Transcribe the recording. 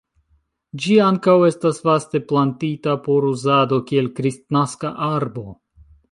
Ĝi ankaŭ estas vaste plantita por uzado kiel kristnaska arbo.